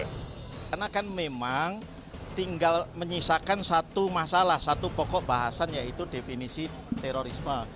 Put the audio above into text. karena kan memang tinggal menyisakan satu masalah satu pokok bahasan yaitu definisi terorisme